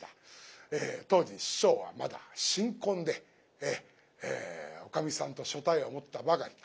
当時師匠はまだ新婚でおかみさんと所帯を持ったばかり。